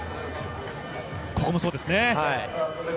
ここもそうですね。